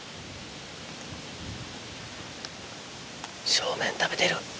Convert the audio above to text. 正面食べてる。